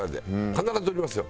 必ず撮りますよ。